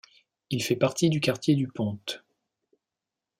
Il fait partie du quartier du Ponte.